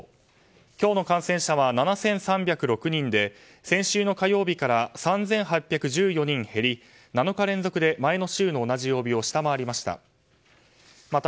今日の感染者は７３０６人で先週の火曜日から３８１４人減り７日連続で前の週の同じ曜日を下回りました。